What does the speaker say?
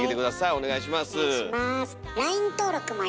お願いいたします。